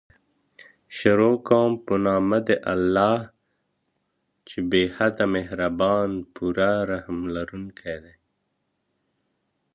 شروع کوم په نوم د الله چې بې حده مهربان ډير رحم لرونکی دی